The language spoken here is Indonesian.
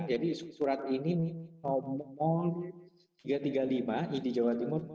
jadi surat ini nomor tiga ratus tiga puluh lima id jawa timur